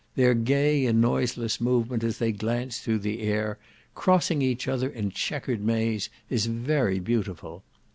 Their gay and noiseless movement as they glance through the air, crossing each other in chequered maze, is very beautiful.